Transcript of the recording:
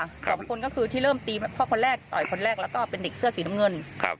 สองคนก็คือที่เริ่มตีพ่อคนแรกต่อยคนแรกแล้วก็เป็นเด็กเสื้อสีน้ำเงินครับ